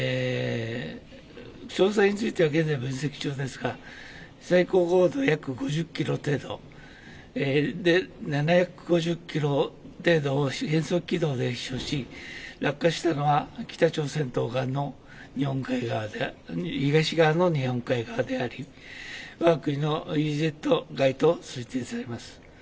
詳細については現在分析中ですが、最高高度約５０キロ程度、７５０キロ程度を変則軌道で飛しょうし、落下したのは北朝鮮東岸の日本海側、東側の日本海側であり、わが国のＥＥＺ外と推定されます。